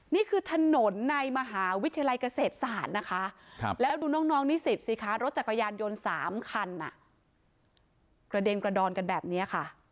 นี่คือถนนในมหาวิทยาลัยเกษตรศาสตร์นะคะแล้วดูน้องนิสิตสิคะรถจักรยานยนต์๓คันกระเด็นกระดอนกันแบบนี้ค่ะ